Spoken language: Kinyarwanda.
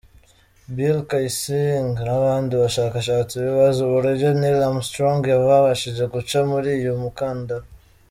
Bill Kaysing n’abandi bashakashatsi bibaza uburyo Neil Armstrong babashije guca muri uyu mukandara.